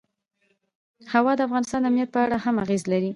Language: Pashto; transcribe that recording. هوا د افغانستان د امنیت په اړه هم اغېز لري.